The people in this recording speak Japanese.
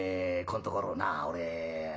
こんところな俺あの」。